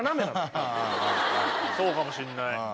そうかもしんない。